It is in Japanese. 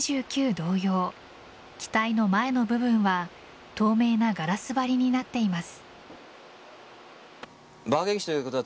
同様機体の前の部分は透明なガラス張りになっています。